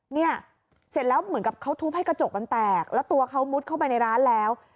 เนี่ยเสร็จแล้วเหมือนกับเขาทุบให้กระจกมันแตกแล้วตัวเขามุดเข้าไปในร้านแล้ว